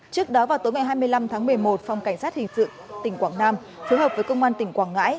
trước đó vào tối ngày hai mươi năm tháng một mươi một phòng cảnh sát hình sự tỉnh quảng nam phối hợp với công an tỉnh quảng ngãi